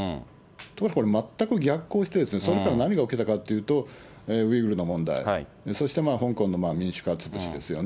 ところがこれ、全く逆行して、それで何が起きたかというと、ウイグルの問題、そして、香港の民主活動ですよね。